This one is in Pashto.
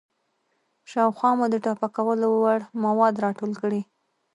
شاوخوا مو د ټاپه کولو وړ مواد راټول کړئ.